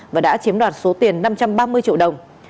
và đã chiếm đoạt số tiền năm trăm ba mươi triệu đồng